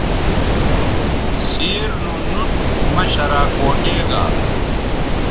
سیر نو نُوٹ مہ شراکوٹے گا